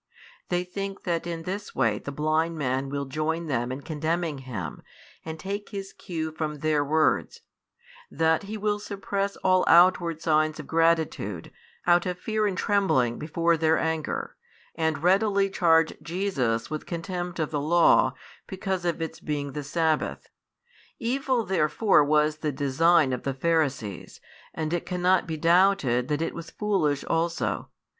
They think that in this way the blind man will join them in condemning Him, and take his cue from their words; that he will suppress all outward signs of gratitude, out of fear and trembling before their anger, and readily charge Jesus with contempt of the law, because of its being the sabbath. Evil therefore was the design of the Pharisees, and it cannot be doubted that it was foolish also.